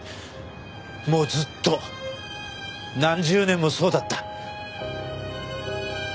もうずっと何十年もそうだった。